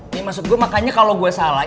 ini maksud gue makanya kalau gue salah